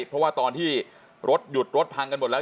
เพราะว่าตอนที่รถหยุดรถพังกันหมดแล้ว